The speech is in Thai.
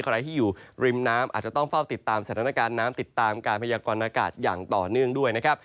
ใครที่อยู่ริมน้ำอาจจะต้องเฝ้าติดตามสถานการณ์น้ำติดตามการพยากรณากาศอย่างต่อเนื่องด้วยนะครับ